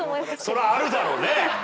そりゃあるだろうね。